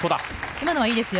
今のはいいですよ。